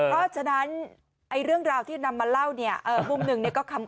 เพราะฉะนั้นเรื่องราวที่นำมาเล่ามุมหนึ่งก็คำ